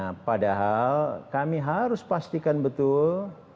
nah padahal kami harus pastikan betul